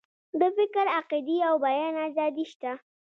د فکر، عقیدې او بیان آزادي شته.